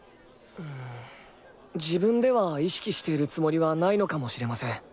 うん自分では意識しているつもりはないのかもしれません。